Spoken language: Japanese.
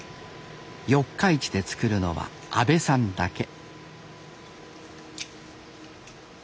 四日市で作るのは阿部さんだけ。